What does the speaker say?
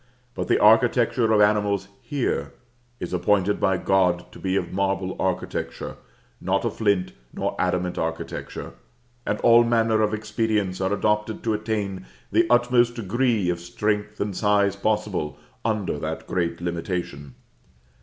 But the architecture of animals here, is appointed by God to be a marble architecture, not a flint nor adamant architecture; and all manner of expedients are adopted to attain the utmost degree of strength and size possible under that great limitation.